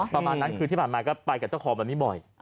ประมาณนั้นคือที่ผ่านมาก็ไปกับเจ้าของแบบนี้บ่อย